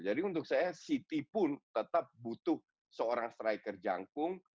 jadi untuk saya city pun tetap butuh seorang striker jangkung